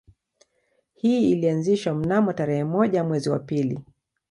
Hii ilianzishwa mnamo tarehe moja mwezi wa pili